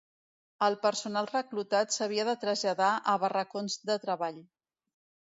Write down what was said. El personal reclutat s'havia de traslladar a barracons de treball.